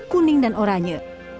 kuning dan oranye